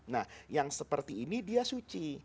nah yang seperti ini dia suci